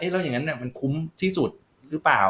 แล้วอย่างนั้นมันคุ้มที่สุดหรือเปล่า